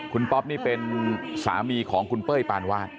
คุณป๊อปนี่เป็นสามีของคุณเป้ยปานวาด